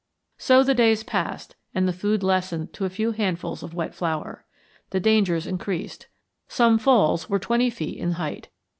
So the days passed and the food lessened to a few handfuls of wet flour. The dangers increased; some falls were twenty feet in height.